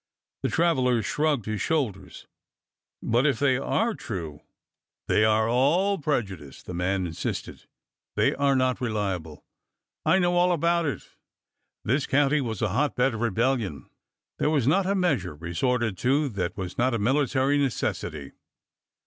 The traveler shrugged his shoulders. But if they are true—" '' They are all prejudiced," the man insisted. They are not reliable. I know all about it. This county was a hotbed of rebellion. There was not a measure resorted to that was not a military necessity.